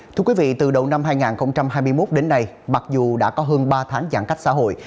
thưa quý vị từ đầu năm hai nghìn hai mươi một đến nay mặc dù đã có hơn ba tháng giãn cách xã hội